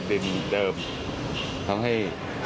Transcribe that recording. ลิงใน